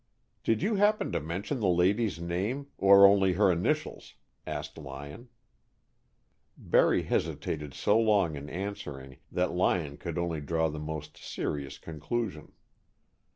"Did you happen to mention the lady's name, or only her initials?" asked Lyon. Barry hesitated so long in answering that Lyon could only draw the most serious conclusion.